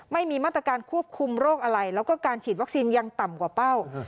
ไม่มีมาตรการควบคุมโรคอะไรแล้วก็การฉีดวัคซีนยังต่ำกว่าเป้า